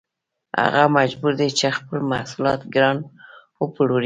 هغه مجبور دی چې خپل محصولات ګران وپلوري